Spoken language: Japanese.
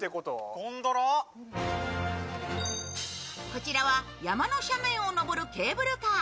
こちらは山の斜面を登るケーブルカー。